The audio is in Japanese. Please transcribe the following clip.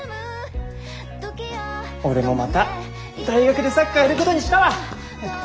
俺もまた大学でサッカーやることにしたわ。